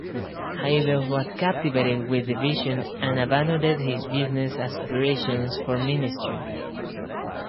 Hybels was captivated with the vision and abandoned his business aspirations for ministry.